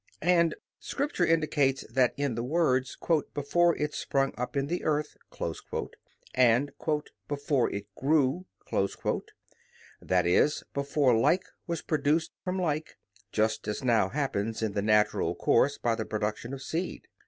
And Scripture indicates this in the words, "before it sprung up in the earth," and "before it grew," that is, before like was produced from like; just as now happens in the natural course by the production of seed.